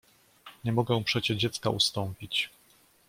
"Nie mogę przecie dziecka ustąpić!"